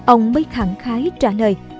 ông mới khẳng khái trả lời